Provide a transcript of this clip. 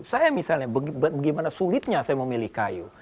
saya misalnya bagaimana sulitnya saya memilih kayu